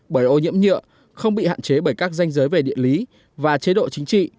bởi ô nhiễm nhựa không bị hạn chế bởi các danh giới về địa lý và chế độ chính trị